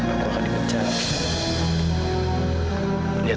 aku akan dipecat